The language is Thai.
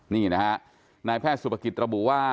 นี่นะฮะนายแพทย์สุภกิจระบุว่า